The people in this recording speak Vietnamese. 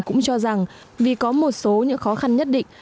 cũng cho rằng vì có một số những khó khăn nhất định